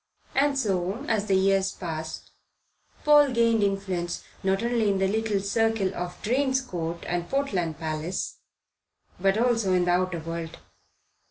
And so, as the years passed, Paul gained influence not only in the little circle of Drane's Court and Portland Place, but also in the outer world.